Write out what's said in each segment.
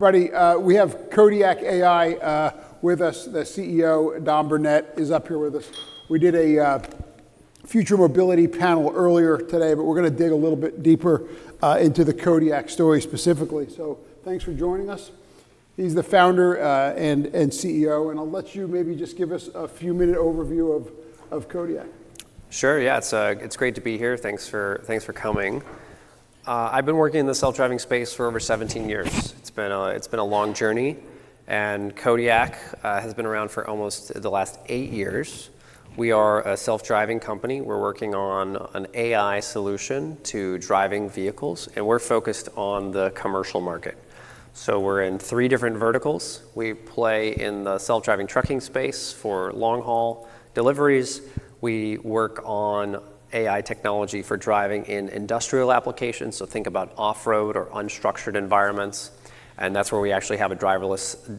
Buddy, we have Kodiak AI with us. The CEO, Don Burnette, is up here with us. We did a future mobility panel earlier today, but we're gonna dig a little bit deeper into the Kodiak story specifically. So thanks for joining us. He's the founder and CEO, and I'll let you maybe just give us a few minute overview of Kodiak. Sure, yeah. It's, it's great to be here. Thanks for, thanks for coming. I've been working in the self-driving space for over 17 years. It's been a long journey, and Kodiak has been around for almost the last 8 years. We are a self-driving company. We're working on an AI solution to driving vehicles, and we're focused on the commercial market. So we're in three different verticals. We play in the self-driving trucking space for long-haul deliveries. We work on AI technology for driving in industrial applications, so think about off-road or unstructured environments, and that's where we actually have a driverless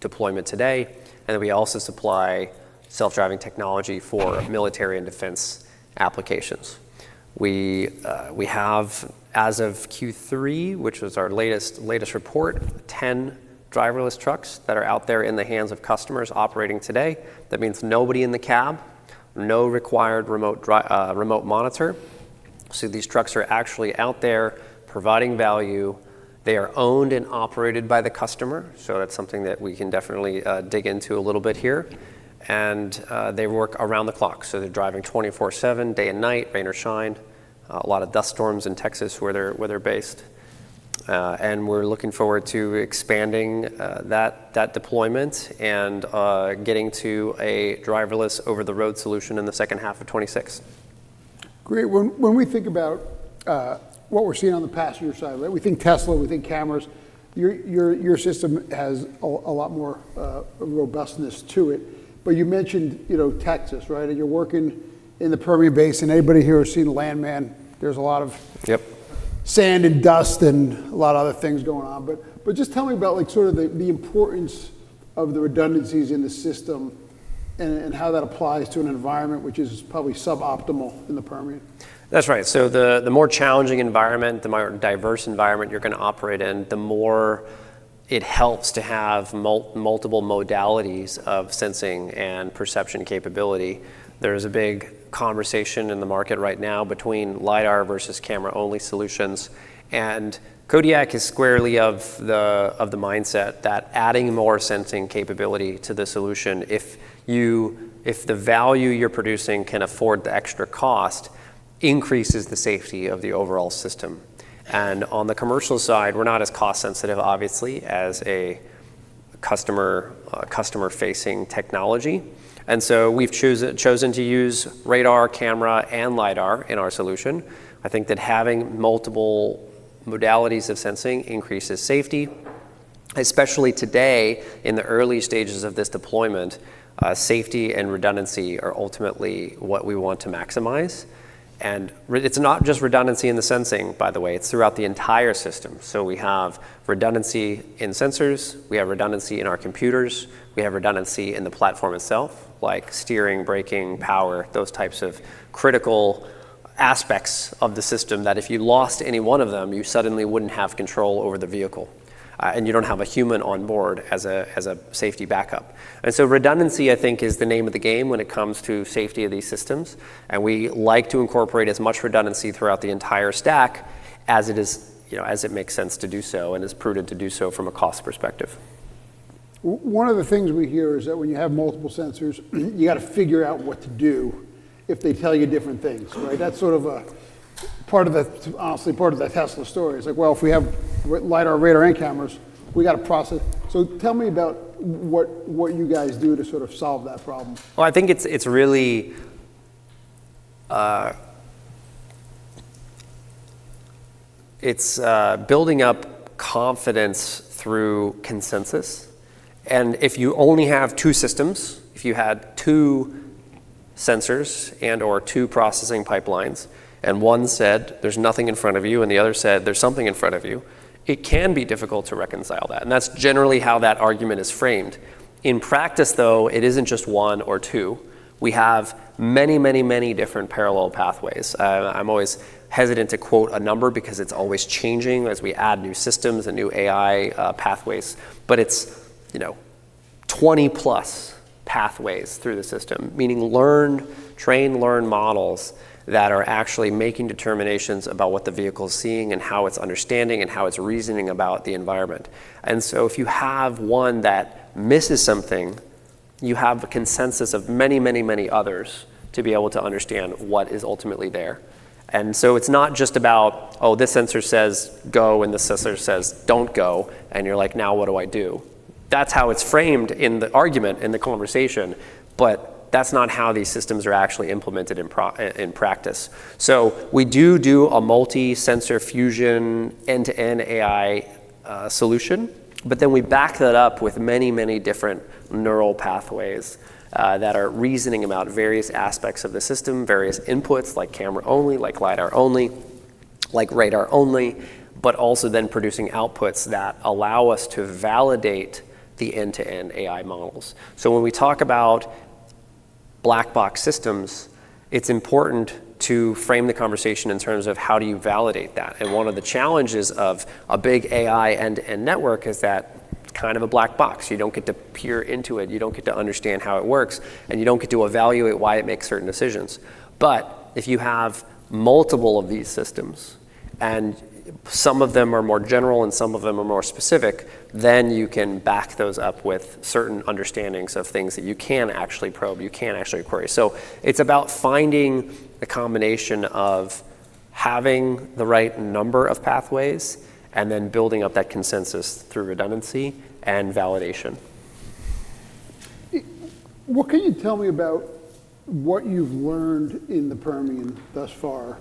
deployment today. And then we also supply self-driving technology for military and defense applications. We, we have, as of Q3, which was our latest report, 10 driverless trucks that are out there in the hands of customers operating today. That means nobody in the cab, no required remote monitor. So these trucks are actually out there providing value. They are owned and operated by the customer, so that's something that we can definitely dig into a little bit here. They work around the clock, so they're driving 24/7, day and night, rain or shine. A lot of dust storms in Texas, where they're based. We're looking forward to expanding that deployment and getting to a driverless over-the-road solution in the second half of 2026. Great. When we think about what we're seeing on the passenger side, right? We think Tesla, we think cameras. Your system has a lot more robustness to it. But you mentioned, you know, Texas, right? And you're working in the Permian Basin. Anybody here who's seen Landman, there's a lot of sand and dust and a lot of other things going on. But just tell me about, like, sort of the importance of the redundancies in the system and how that applies to an environment which is probably suboptimal in the Permian. That's right. So the more challenging environment, the more diverse environment you're gonna operate in, the more it helps to have multiple modalities of sensing and perception capability. There's a big conversation in the market right now between LiDAR versus camera-only solutions. And Kodiak is squarely of the mindset that adding more sensing capability to the solution, if the value you're producing can afford the extra cost, increases the safety of the overall system. And on the commercial side, we're not as cost-sensitive, obviously, as a customer-facing technology, and so we've chosen to use radar, camera, and LiDAR in our solution. I think that having multiple modalities of sensing increases safety, especially today in the early stages of this deployment, safety and redundancy are ultimately what we want to maximize. It's not just redundancy in the sensing, by the way, it's throughout the entire system. So we have redundancy in sensors, we have redundancy in our computers, we have redundancy in the platform itself, like steering, braking, power, those types of critical aspects of the system that if you lost any one of them, you suddenly wouldn't have control over the vehicle, and you don't have a human on board as a, as a safety backup. So redundancy, I think, is the name of the game when it comes to safety of these systems, and we like to incorporate as much redundancy throughout the entire stack as it is, you know, as it makes sense to do so and is prudent to do so from a cost perspective. One of the things we hear is that when you have multiple sensors, you gotta figure out what to do if they tell you different things, right? That's sort of a part of the, honestly, part of the Tesla story. It's like, well, if we have LiDAR, radar, and cameras, we gotta process. So tell me about what you guys do to sort of solve that problem. Well, I think it's really building up confidence through consensus. And if you only have two systems, if you had two sensors and/or two processing pipelines, and one said, there's nothing in front of you, and the other said, there's something in front of you, it can be difficult to reconcile that. And that's generally how that argument is framed. In practice, though, it isn't just one or two. We have many, many, many different parallel pathways. I'm always hesitant to quote a number because it's always changing as we add new systems and new AI pathways, but it's, you know, 20-plus pathways through the system. Meaning learned, train-learn models that are actually making determinations about what the vehicle is seeing and how it's understanding and how it's reasoning about the environment. And so if you have one that misses something, you have a consensus of many, many, many others to be able to understand what is ultimately there. And so it's not just about, oh, this sensor says, "Go," and this sensor says, don't go, and you're like: Now, what do I do? That's how it's framed in the argument, in the conversation, but that's not how these systems are actually implemented in practice. So we do do a multi-sensor fusion, end-to-end AI solution, but then we back that up with many, many different neural pathways that are reasoning about various aspects of the system, various inputs, like camera only, like LiDAR only, like radar only. But also then producing outputs that allow us to validate the end-to-end AI models. So when we talk about black box systems, it's important to frame the conversation in terms of: How do you validate that? And one of the challenges of a big AI end-to-end network is that it's kind of a black box. You don't get to peer into it, you don't get to understand how it works, and you don't get to evaluate why it makes certain decisions. But if you have multiple of these systems, and some of them are more general and some of them are more specific, then you can back those up with certain understandings of things that you can actually probe, you can actually query. So it's about finding a combination of having the right number of pathways, and then building up that consensus through redundancy and validation. What can you tell me about what you've learned in the Permian thus far?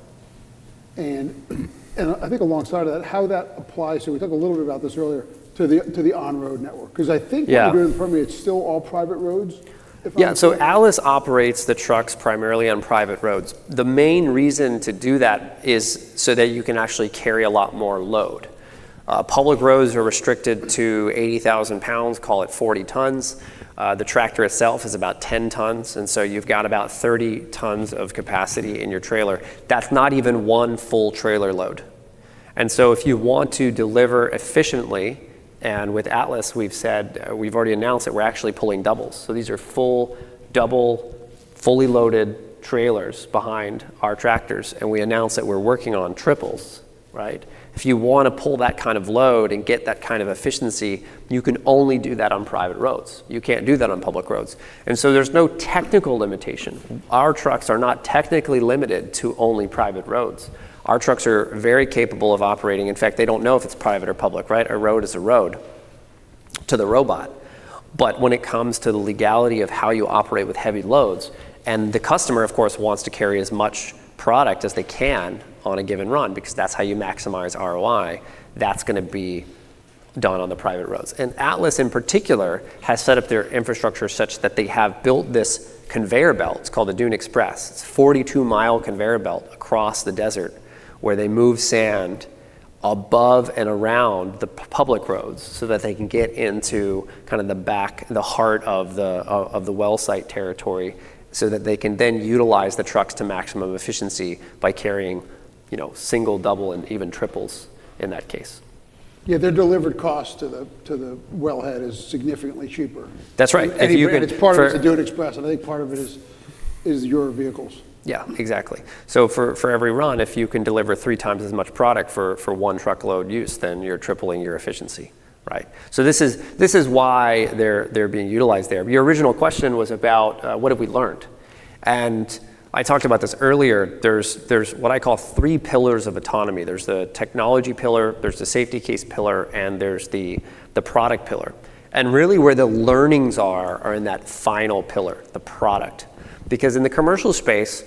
And, and I think alongside of that, how that applies, so we talked a little bit about this earlier, to the on-road network. 'Cause I think- Yeah. What we're doing in the Permian, it's still all private roads, if I'm correct? Yeah, so Atlas operates the trucks primarily on private roads. The main reason to do that is so that you can actually carry a lot more load. Public roads are restricted to 80,000 pounds, call it 40 tons. The tractor itself is about 10 tons, and so you've got about 30 tons of capacity in your trailer. That's not even one full trailer load. And so if you want to deliver efficiently, and with Atlas, we've said, we've already announced that we're actually pulling doubles. So these are full, double, fully loaded trailers behind our tractors, and we announced that we're working on triples, right? If you wanna pull that kind of load and get that kind of efficiency, you can only do that on private roads. You can't do that on public roads. And so there's no technical limitation. Our trucks are not technically limited to only private roads. Our trucks are very capable of operating. In fact, they don't know if it's private or public, right? A road is a road to the robot. But when it comes to the legality of how you operate with heavy loads, and the customer, of course, wants to carry as much product as they can on a given run, because that's how you maximize ROI, that's gonna be done on the private roads. Atlas, in particular, has set up their infrastructure such that they have built this conveyor belt. It's called the Dune Express. It's a 42-mile conveyor belt across the desert, where they move sand above and around the public roads, so that they can get into kind of the back, the heart of the well site territory, so that they can then utilize the trucks to maximum efficiency by carrying, you know, single, double, and even triples in that case. Yeah, their delivered cost to the wellhead is significantly cheaper. That's right. If you can. Part of it is the Dune Express, and I think part of it is your vehicles. Yeah, exactly. So for every run, if you can deliver three times as much product for one truckload use, then you're tripling your efficiency, right? So this is why they're being utilized there. But your original question was about what have we learned? And I talked about this earlier. There's what I call three pillars of autonomy. There's the technology pillar, there's the safety case pillar, and there's the product pillar. And really, where the learnings are in that final pillar, the product. Because in the commercial space,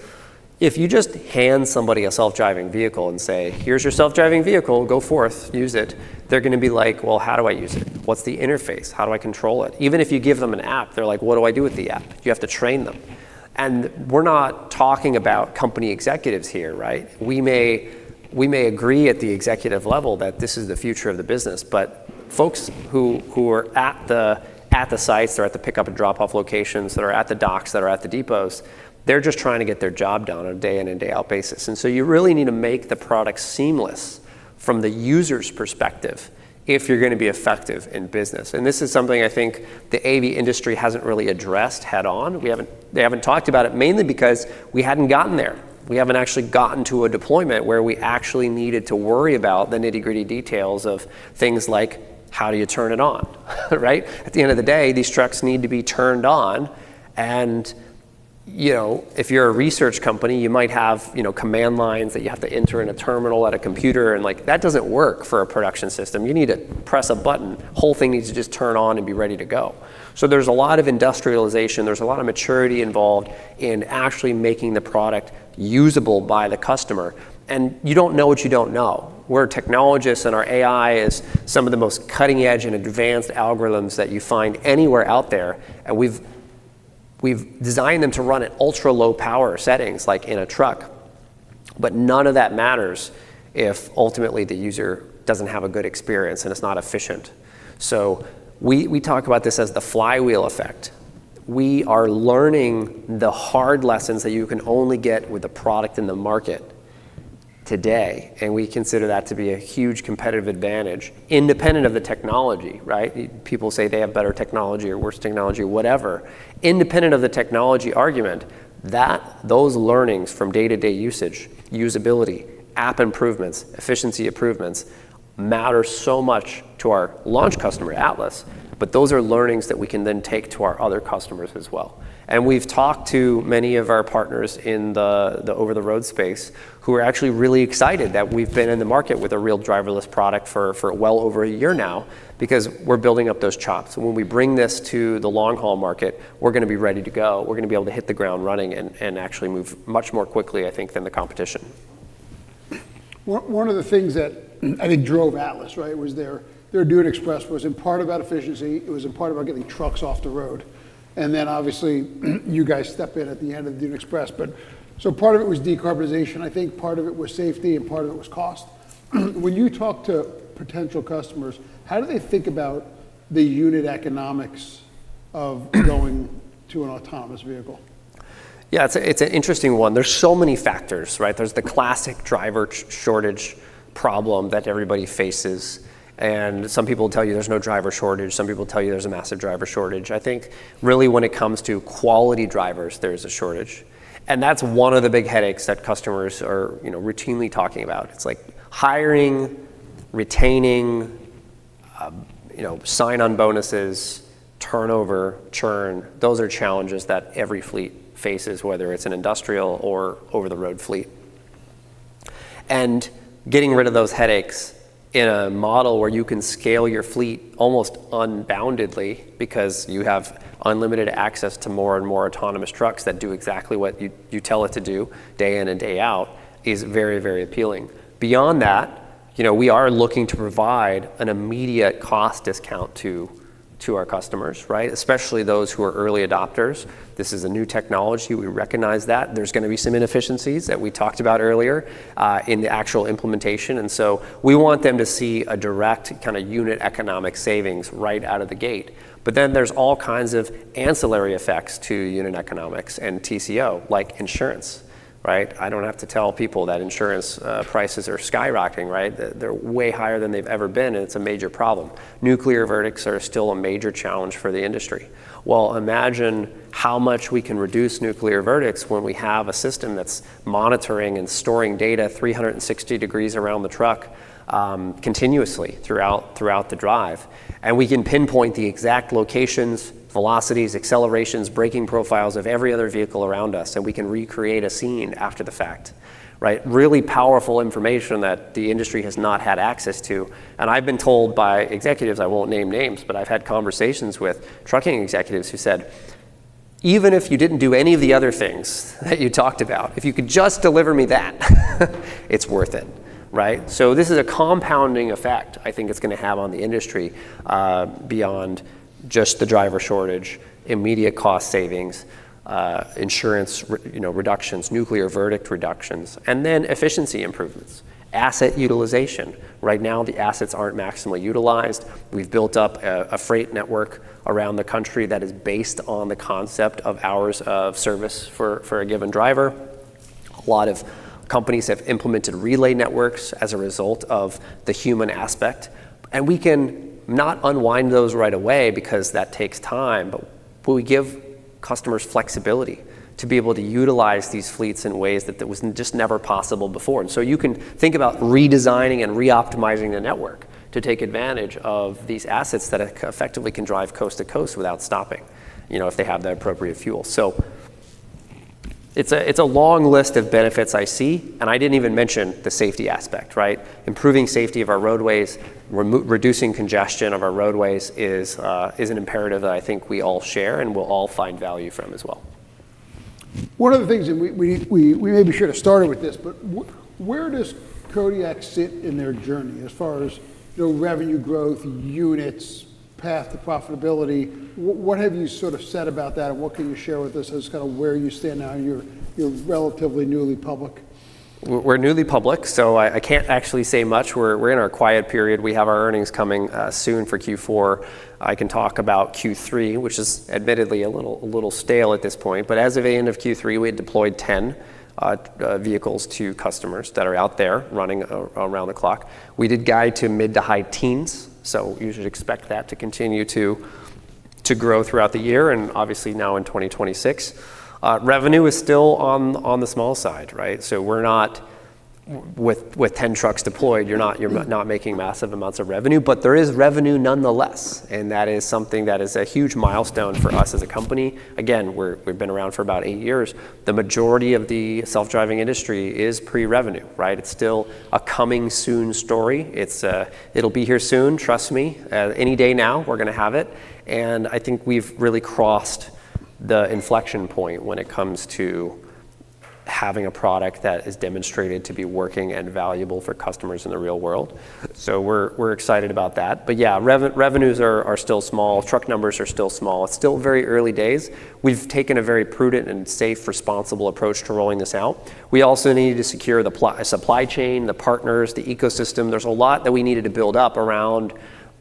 if you just hand somebody a self-driving vehicle and say, here's your self-driving vehicle. Go forth, use it. They're gonna be like: Well, how do I use it? What's the interface? How do I control it? Even if you give them an app, they're like: What do I do with the app? You have to train them. We're not talking about company executives here, right? We may agree at the executive level that this is the future of the business, but folks who are at the sites, or at the pickup and drop-off locations, that are at the docks, that are at the depots, they're just trying to get their job done on a day in and day out basis. So you really need to make the product seamless from the user's perspective, if you're gonna be effective in business. This is something I think the AV industry hasn't really addressed head-on. We haven't. They haven't talked about it, mainly because we hadn't gotten there. We haven't actually gotten to a deployment where we actually needed to worry about the nitty-gritty details of things like: How do you turn it on, right? At the end of the day, these trucks need to be turned on, and, you know, if you're a research company, you might have, you know, command lines that you have to enter in a terminal at a computer, and, like, that doesn't work for a production system. You need to press a button. Whole thing needs to just turn on and be ready to go. So there's a lot of industrialization, there's a lot of maturity involved in actually making the product usable by the customer, and you don't know what you don't know. We're technologists, and our AI is some of the most cutting-edge and advanced algorithms that you find anywhere out there, and we've designed them to run at ultra-low power settings, like in a truck. But none of that matters if ultimately the user doesn't have a good experience, and it's not efficient. So we talk about this as the flywheel effect. We are learning the hard lessons that you can only get with a product in the market today, and we consider that to be a huge competitive advantage independent of the technology, right? People say they have better technology or worse technology, whatever. Independent of the technology argument, that those learnings from day-to-day usage, usability, app improvements, efficiency improvements, matter so much to our launch customer, Atlas, but those are learnings that we can then take to our other customers as well. We've talked to many of our partners in the over-the-road space, who are actually really excited that we've been in the market with a real driverless product for well over a year now, because we're building up those chops. When we bring this to the long-haul market, we're gonna be ready to go. We're gonna be able to hit the ground running and actually move much more quickly, I think, than the competition. One of the things that I think drove Atlas, right, was their Dune Express was in part about efficiency, it was in part about getting trucks off the road, and then obviously, you guys step in at the end of the Dune Express. But so part of it was decarbonization, I think part of it was safety, and part of it was cost. when you talk to potential customers, how do they think about the unit economics of going to an autonomous vehicle? Yeah, it's an interesting one. There's so many factors, right? There's the classic driver shortage problem that everybody faces, and some people tell you there's no driver shortage, some people tell you there's a massive driver shortage. I think really when it comes to quality drivers, there's a shortage, and that's one of the big headaches that customers are, you know, routinely talking about. It's like hiring, retaining, you know, sign-on bonuses, turnover, churn, those are challenges that every fleet faces, whether it's an industrial or over-the-road fleet. Getting rid of those headaches in a model where you can scale your fleet almost unboundedly because you have unlimited access to more and more autonomous trucks that do exactly what you tell it to do, day in and day out, is very, very appealing. Beyond that, you know, we are looking to provide an immediate cost discount to our customers, right? Especially those who are early adopters. This is a new technology. We recognize that. There's gonna be some inefficiencies that we talked about earlier in the actual implementation, and so we want them to see a direct kinda unit economic savings right out of the gate. But then there's all kinds of ancillary effects to unit economics and TCO, like insurance, right? I don't have to tell people that insurance prices are skyrocketing, right? They're way higher than they've ever been, and it's a major problem. Nuclear verdicts are still a major challenge for the industry. Well, imagine how much we can reduce nuclear verdicts when we have a system that's monitoring and storing data 360 degrees around the truck continuously throughout the drive. We can pinpoint the exact locations, velocities, accelerations, braking profiles of every other vehicle around us, and we can recreate a scene after the fact, right? Really powerful information that the industry has not had access to, and I've been told by executives, I won't name names. But I've had conversations with trucking executives who said, even if you didn't do any of the other things that you talked about, if you could just deliver me that, it's worth it, right? So this is a compounding effect I think it's gonna have on the industry, beyond just the driver shortage, immediate cost savings, insurance, you know, reductions, nuclear verdict reductions, and then efficiency improvements. Asset utilization. Right now, the assets aren't maximally utilized. We've built up a freight network around the country that is based on the concept of hours of service for a given driver. A lot of companies have implemented relay networks as a result of the human aspect, and we can not unwind those right away because that takes time, but we give customers flexibility to be able to utilize these fleets in ways that there was just never possible before. And so you can think about redesigning and reoptimizing the network to take advantage of these assets that effectively can drive coast to coast without stopping, you know, if they have the appropriate fuel. So it's a long list of benefits I see, and I didn't even mention the safety aspect, right? Improving safety of our roadways, reducing congestion of our roadways is an imperative that I think we all share and we'll all find value from as well. One of the things that we maybe should have started with this, but where does Kodiak sit in their journey as far as, you know, revenue growth, units, path to profitability? What have you sort of said about that, and what can you share with us as kind of where you stand now? You're relatively newly public. We're newly public, so I can't actually say much. We're in our quiet period. We have our earnings coming soon for Q4. I can talk about Q3, which is admittedly a little stale at this point, but as of end of Q3, we had deployed 10 vehicles to customers that are out there running around the clock. We did guide to mid- to high-teens, so you should expect that to continue to grow throughout the year, and obviously now in 2026. Revenue is still on the small side, right? So we're not. With 10 trucks deployed, you're not making massive amounts of revenue, but there is revenue nonetheless, and that is something that is a huge milestone for us as a company. Again, we've been around for about eight years. The majority of the self-driving industry is pre-revenue, right? It's still a coming soon story. It's, it'll be here soon, trust me. Any day now, we're gonna have it, and I think we've really crossed the inflection point when it comes to having a product that is demonstrated to be working and valuable for customers in the real world. So we're excited about that. But yeah, revenues are still small. Truck numbers are still small. It's still very early days. We've taken a very prudent and safe, responsible approach to rolling this out. We also needed to secure the supply chain, the partners, the ecosystem. There's a lot that we needed to build up around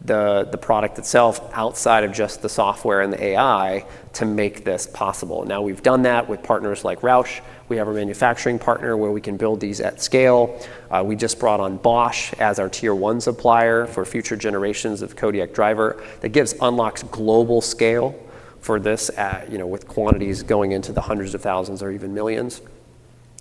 the product itself, outside of just the software and the AI, to make this possible. Now, we've done that with partners like Roush. We have a manufacturing partner where we can build these at scale. We just brought on Bosch as our tier one supplier for future generations of Kodiak Driver. That gives unlocks global scale for this at, you know, with quantities going into the hundreds of thousands or even millions.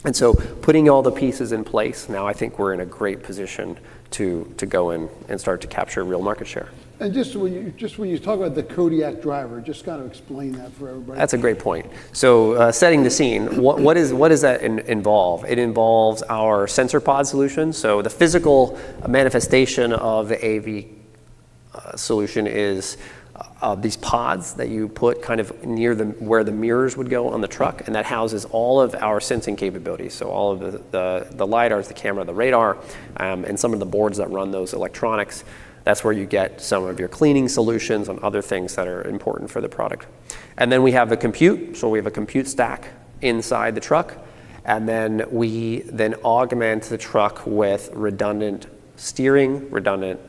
Putting all the pieces in place, now I think we're in a great position to go and start to capture real market share. Just when you talk about the Kodiak Driver, just kind of explain that for everybody. That's a great point. So, setting the scene, what does that involve? It involves our SensorPod solution. So the physical manifestation of the AV solution is these pods that you put kind of near where the mirrors would go on the truck, and that houses all of our sensing capabilities. So all of the LiDARs, the camera, the radar, and some of the boards that run those electronics. That's where you get some of your cleaning solutions and other things that are important for the product. And then we have the compute. So we have a compute stack inside the truck. And then we augment the truck with redundant steering, redundant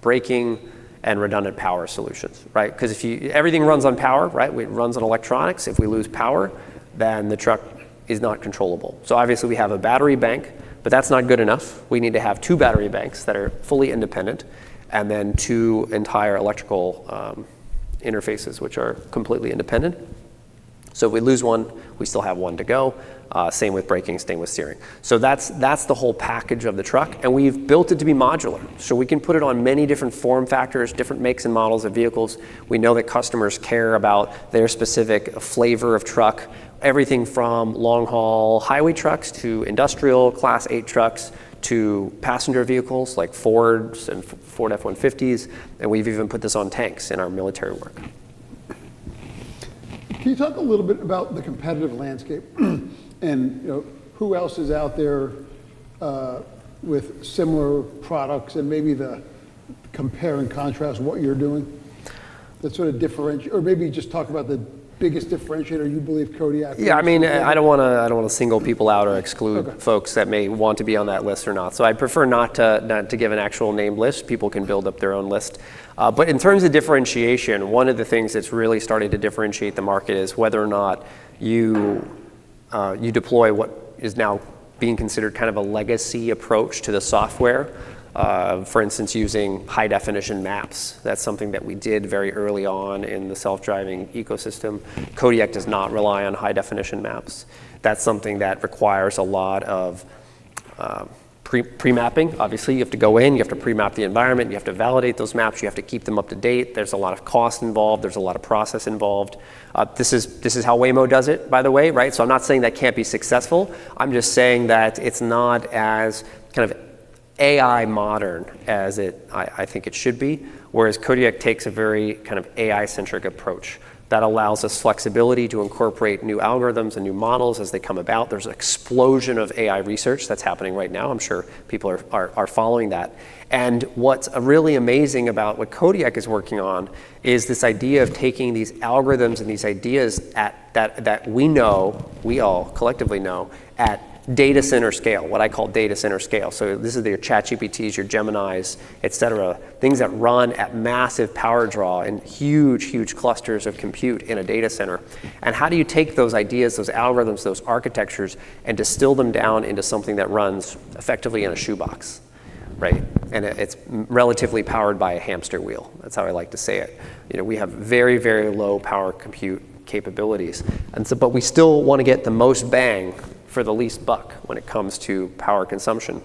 braking, and redundant power solutions, right? 'Cause everything runs on power, right? It runs on electronics. If we lose power, then the truck is not controllable. So obviously, we have a battery bank, but that's not good enough. We need to have two battery banks that are fully independent, and then two entire electrical interfaces, which are completely independent. So if we lose one, we still have one to go, same with braking, same with steering. So that's, that's the whole package of the truck, and we've built it to be modular. So we can put it on many different form factors, different makes and models of vehicles. We know that customers care about their specific flavor of truck, everything from long-haul highway trucks to industrial Class 8 trucks to passenger vehicles like Fords and Ford F-150s, and we've even put this on tanks in our military work. Can you talk a little bit about the competitive landscape, and, you know, who else is out there with similar products and maybe the compare and contrast what you're doing, that sort of differentiate or maybe just talk about the biggest differentiator you believe Kodiak is? Yeah, I mean, and I don't wanna, I don't wanna single people out or exclude folks that may want to be on that list or not. So I'd prefer not to, not to give an actual name list. People can build up their own list. But in terms of differentiation, one of the things that's really starting to differentiate the market is whether or not you deploy what is now being considered kind of a legacy approach to the software. For instance, using high-definition maps. That's something that we did very early on in the self-driving ecosystem. Kodiak does not rely on high-definition maps. That's something that requires a lot of pre-mapping. Obviously, you have to go in, you have to pre-map the environment, you have to validate those maps, you have to keep them up to date. There's a lot of cost involved. There's a lot of process involved. This is, this is how Waymo does it, by the way, right? So I'm not saying that can't be successful. I'm just saying that it's not as kind of AI modern as it, I think it should be. Whereas Kodiak takes a very kind of AI-centric approach that allows us flexibility to incorporate new algorithms and new models as they come about. There's an explosion of AI research that's happening right now. I'm sure people are following that. And what's really amazing about what Kodiak is working on is this idea of taking these algorithms and these ideas that we know, we all collectively know, at data center scale, what I call data center scale. So this is your ChatGPTs, your Geminis, et cetera, things that run at massive power draw and huge, huge clusters of compute in a data center. How do you take those ideas, those algorithms, those architectures, and distill them down into something that runs effectively in a shoebox, right? It, it's relatively powered by a hamster wheel. That's how I like to say it. You know, we have very, very low power compute capabilities, and so, but we still wanna get the most bang for the least buck when it comes to power consumption.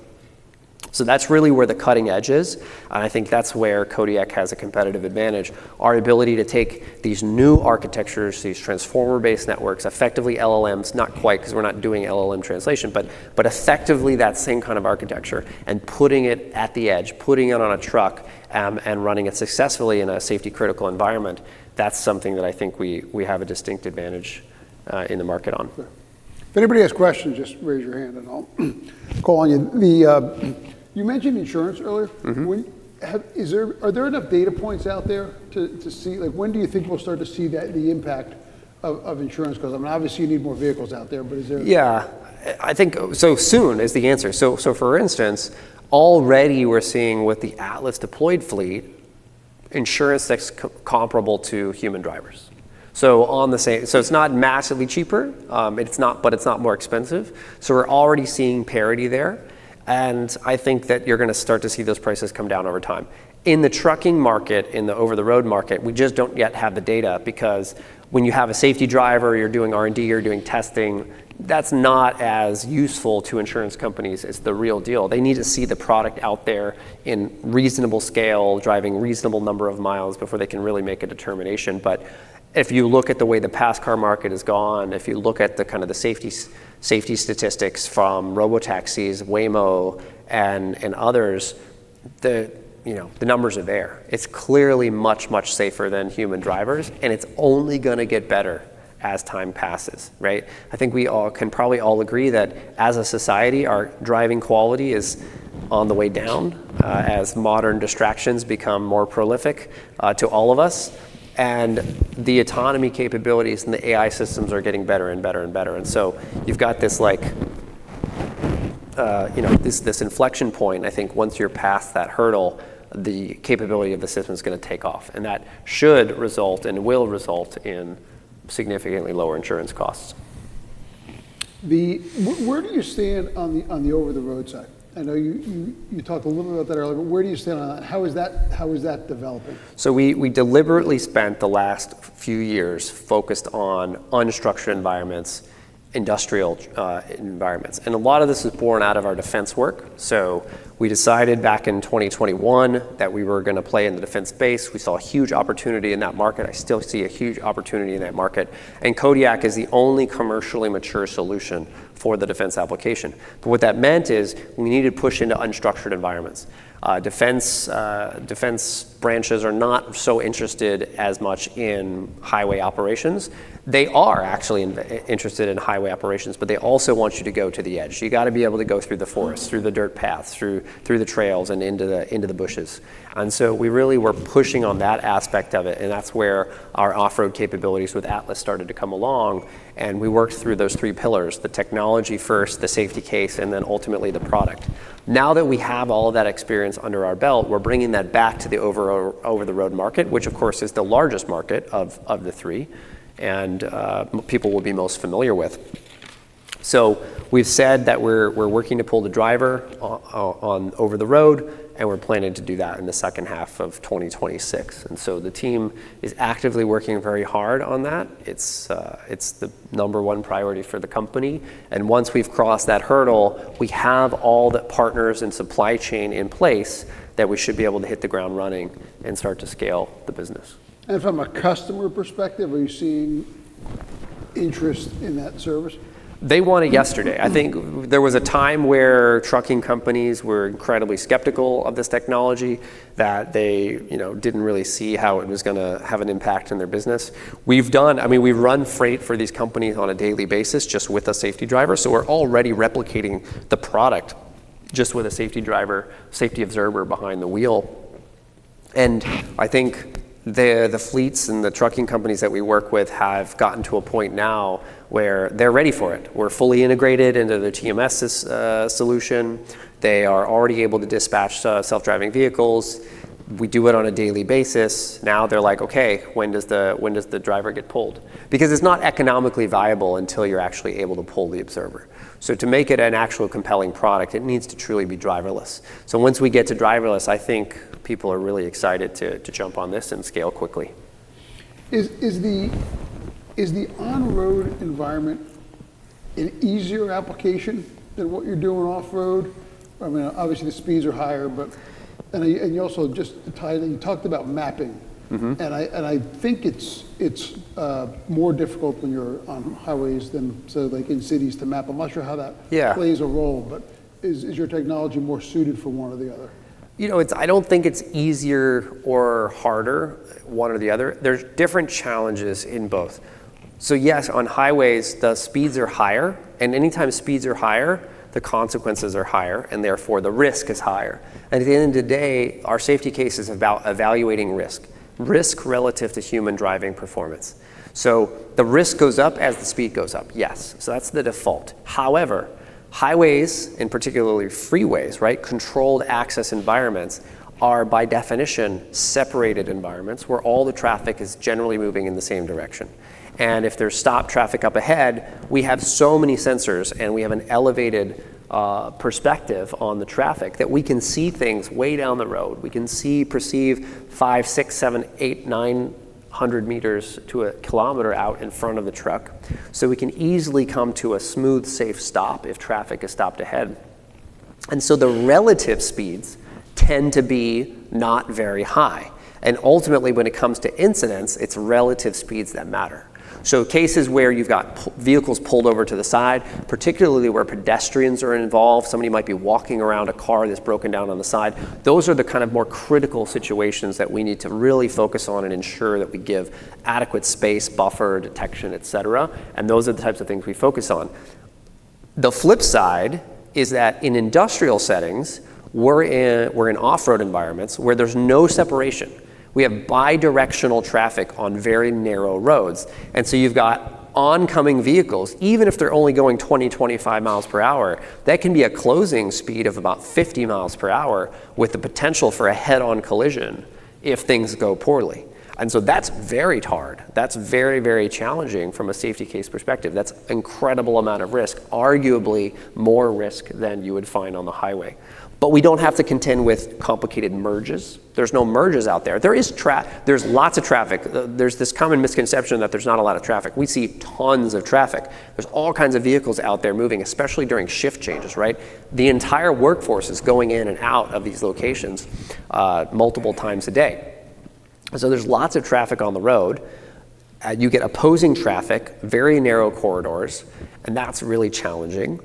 So that's really where the cutting edge is, and I think that's where Kodiak has a competitive advantage. Our ability to take these new architectures, these transformer-based networks, effectively LLMs, not quite 'cause we're not doing LLM translation, but effectively that same kind of architecture, and putting it at the edge, putting it on a truck, and running it successfully in a safety-critical environment, that's something that I think we have a distinct advantage in the market on. If anybody has questions, just raise your hand and I'll call on you. The, you mentioned insurance earlier. Are there enough data points out there to see, like, when do you think we'll start to see the impact of insurance? 'Cause, I mean, obviously, you need more vehicles out there. Yeah. I think so soon is the answer. So, for instance, already we're seeing with the Atlas deployed fleet, insurance that's comparable to human drivers. So on the same. So it's not massively cheaper, it's not, but it's not more expensive. So we're already seeing parity there, and I think that you're gonna start to see those prices come down over time. In the trucking market, in the over-the-road market, we just don't yet have the data because when you have a safety driver, you're doing R&D, you're doing testing, that's not as useful to insurance companies as the real deal. They need to see the product out there in reasonable scale, driving reasonable number of miles before they can really make a determination. But if you look at the way the passenger car market has gone, if you look at the kind of the safety statistics from robotaxis, Waymo, and others, you know, the numbers are there. It's clearly much, much safer than human drivers, and it's only gonna get better as time passes, right? I think we all can probably all agree that, as a society, our driving quality is on the way down, as modern distractions become more prolific to all of us, and the autonomy capabilities and the AI systems are getting better and better and better. And so you've got this like, you know, this inflection point. I think once you're past that hurdle, the capability of the system is gonna take off, and that should result and will result in significantly lower insurance costs. Where do you stand on the over-the-road side? I know you talked a little bit about that earlier, but where do you stand on that? How is that developing? So we deliberately spent the last few years focused on unstructured environments, industrial environments, and a lot of this is born out of our defense work. So we decided back in 2021 that we were gonna play in the defense space. We saw a huge opportunity in that market. I still see a huge opportunity in that market, and Kodiak is the only commercially mature solution for the defense application. But what that meant is we needed to push into unstructured environments. Defense branches are not so interested as much in highway operations. They are actually interested in highway operations, but they also want you to go to the edge. You gotta be able to go through the forest, through the dirt paths, through the trails, and into the bushes. And so we really were pushing on that aspect of it, and that's where our off-road capabilities with Atlas started to come along, and we worked through those three pillars: the technology first, the safety case, and then ultimately the product. Now that we have all of that experience under our belt, we're bringing that back to the over-the-road market, which of course is the largest market of the three, and people will be most familiar with. So we've said that we're working to pull the driver on over the road, and we're planning to do that in the second half of 2026. And so the team is actively working very hard on that. It's, it's the number one priority for the company, and once we've crossed that hurdle, we have all the partners and supply chain in place that we should be able to hit the ground running and start to scale the business. From a customer perspective, are you seeing interest in that service? They want it yesterday. I think there was a time where trucking companies were incredibly skeptical of this technology, that they, you know, didn't really see how it was gonna have an impact on their business. We've done. I mean, we've run freight for these companies on a daily basis, just with a safety driver, so we're already replicating the product, just with a safety driver, safety observer behind the wheel. And I think the fleets and the trucking companies that we work with have gotten to a point now where they're ready for it. We're fully integrated into their TMS solution. They are already able to dispatch self-driving vehicles. We do it on a daily basis. Now they're like: Okay, when does the driver get pulled? Because it's not economically viable until you're actually able to pull the observer. To make it an actual compelling product, it needs to truly be driverless. Once we get to driverless, I think people are really excited to jump on this and scale quickly. Is the on-road environment an easier application than what you're doing off-road? I mean, obviously, the speeds are higher. And you also just to tie in, you talked about mapping. I think it's more difficult when you're on highways than, say, like in cities, to map. I'm not sure how that plays a role, but is your technology more suited for one or the other? You know, it's, I don't think it's easier or harder, one or the other. There's different challenges in both. So yes, on highways, the speeds are higher, and anytime speeds are higher, the consequences are higher, and therefore, the risk is higher. At the end of the day, our safety case is about evaluating risk, risk relative to human driving performance. So the risk goes up as the speed goes up. Yes, so that's the default. However, highways, and particularly freeways, right, controlled access environments, are by definition separated environments where all the traffic is generally moving in the same direction. And if there's stopped traffic up ahead, we have so many sensors, and we have an elevated perspective on the traffic, that we can see things way down the road. We can see, perceive 500, 600, 700, 800, 900 meters to a kilometer out in front of the truck, so we can easily come to a smooth, safe stop if traffic is stopped ahead. And so the relative speeds tend to be not very high, and ultimately, when it comes to incidents, it's relative speeds that matter. So cases where you've got vehicles pulled over to the side, particularly where pedestrians are involved, somebody might be walking around a car that's broken down on the side, those are the kind of more critical situations that we need to really focus on and ensure that we give adequate space, buffer, detection, et cetera, and those are the types of things we focus on. The flip side is that in industrial settings, we're in off-road environments where there's no separation. We have bi-directional traffic on very narrow roads, and so you've got oncoming vehicles. Even if they're only going 20, 25 miles per hour, that can be a closing speed of about 50 miles per hour, with the potential for a head-on collision if things go poorly. And so that's very hard. That's very, very challenging from a safety case perspective. That's incredible amount of risk, arguably more risk than you would find on the highway. But we don't have to contend with complicated merges. There's no merges out there. There's lots of traffic. There's this common misconception that there's not a lot of traffic. We see tons of traffic. There's all kinds of vehicles out there moving, especially during shift changes, right? The entire workforce is going in and out of these locations, multiple times a day. So there's lots of traffic on the road. You get opposing traffic, very narrow corridors, and that's really challenging.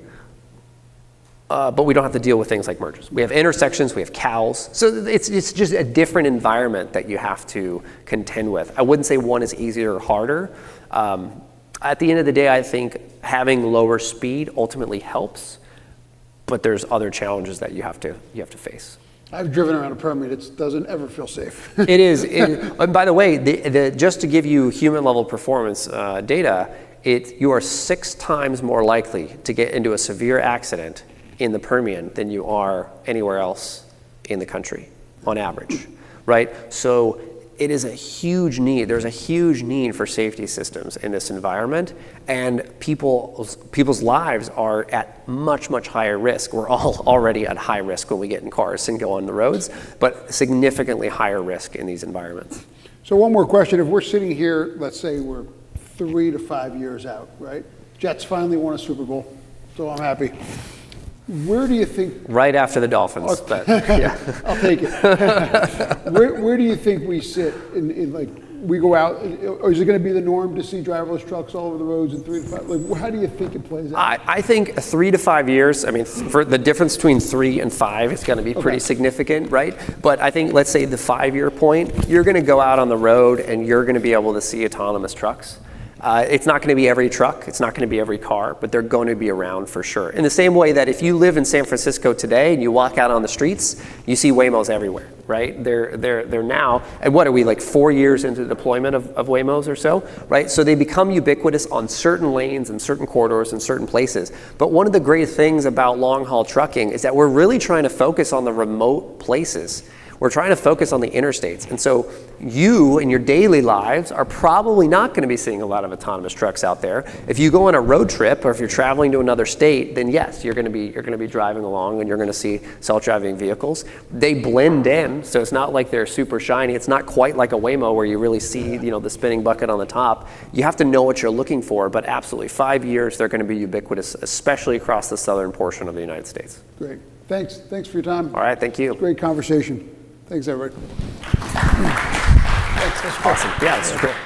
But we don't have to deal with things like merges. We have intersections, we have cows. So it's just a different environment that you have to contend with. I wouldn't say one is easier or harder. At the end of the day, I think having lower speed ultimately helps, but there's other challenges that you have to face. I've driven around the Permian. It doesn't ever feel safe. By the way, just to give you human-level performance data, you are 6 times more likely to get into a severe accident in the Permian than you are anywhere else in the country, on average. Right? It is a huge need. There's a huge need for safety systems in this environment, and people's lives are at much higher risk. We're all already at high risk when we get in cars and go on the roads, but significantly higher risk in these environments. So one more question. If we're sitting here, let's say we're three to five years out, right? Jets finally won a Super Bowl, so I'm happy. Where do you think- Right after the Dolphins. Okay. But yeah. I'll take it. Where do you think we sit in, like, we go out, or is it gonna be the norm to see driverless trucks all over the roads in three to five? Like, how do you think it plays out? I think three to five years, I mean, for the difference between three and five. Okay. It's gonna be pretty significant, right? But I think, let's say, the five-year point, you're gonna go out on the road, and you're gonna be able to see autonomous trucks. It's not gonna be every truck, it's not gonna be every car, but they're going to be around for sure. In the same way that if you live in San Francisco today and you walk out on the streets, you see Waymos everywhere, right? They're now. And what are we, like, four years into the deployment of Waymos or so? Right, so they become ubiquitous on certain lanes and certain corridors and certain places. But one of the great things about long-haul trucking is that we're really trying to focus on the remote places. We're trying to focus on the interstates. And so you, in your daily lives, are probably not gonna be seeing a lot of autonomous trucks out there. If you go on a road trip or if you're traveling to another state, then yes, you're gonna be, you're gonna be driving along, and you're gonna see self-driving vehicles. They blend in, so it's not like they're super shiny. It's not quite like a Waymo, where you really see, you know, the spinning bucket on the top. You have to know what you're looking for, but absolutely, five years, they're gonna be ubiquitous, especially across the southern portion of the United States. Great. Thanks. Thanks for your time. All right, thank you. Great conversation. Thanks. Thanks, this awesome. Yeah, this was great.